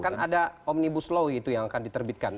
kan ada omnibus law gitu yang akan diterbitkan